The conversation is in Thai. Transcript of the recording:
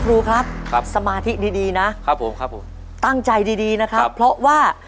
ครูครับครับสมาธิดีดีนะครับผมครับผมตั้งใจดีดีนะครับเพราะว่า